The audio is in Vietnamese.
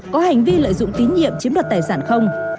có hành vi lợi dụng tín nhiệm chiếm đoạt tài sản không